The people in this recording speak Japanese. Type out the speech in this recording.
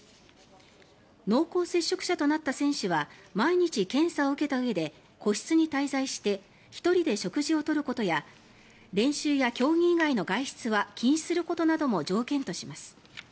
濃厚接触者となった選手は毎日検査を受けたうえで個室に滞在して１人で食事を取ることや練習や競技以外の外出は禁止することなども条件とします。